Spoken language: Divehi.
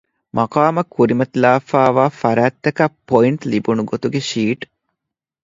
މަޤާމަށް ކުރިމަތިލާފައިވާ ފަރާތްތަކަށް ޕޮއިންޓް ލިބުނުގޮތުގެ ޝީޓް